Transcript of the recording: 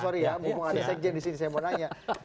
sorry ya mau ada sekjen di sini saya mau nanya